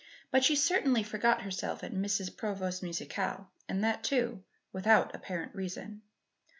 But she certainly forgot herself at Mrs. Provost's musicale and that, too, without apparent reason.